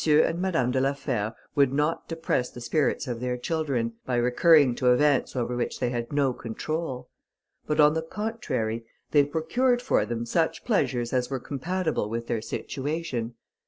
and Madame de la Fère would not depress the spirits of their children, by recurring to events over which they had no control; but on the contrary, they procured for them such pleasures as were compatible with their situation.